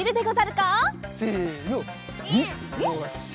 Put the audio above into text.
よし。